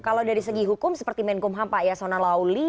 kalau dari segi hukum seperti menkumham pak ya sonalawli